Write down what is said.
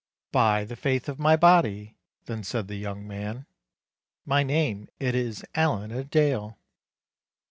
"By the faith of my body," then said the young man, "My name it is Allen a Dale."